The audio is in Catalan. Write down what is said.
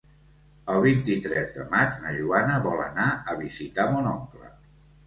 El vint-i-tres de maig na Joana vol anar a visitar mon oncle.